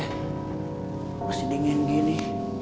masih dingin gini